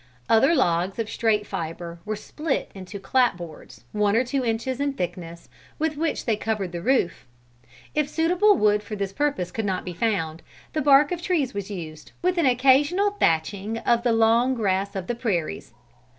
Other logs of straight fiber were split into clap boards, one or two inches in thickness, with which they covered the roof. If suitable wood for this purpose could not be found, the bark of trees was used, with an occasional thatching of the long grass of the prairies.